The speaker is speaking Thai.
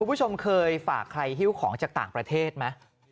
คุณผู้ชมเคยฝากใครฮิ้วของจากต่างประเทศไหม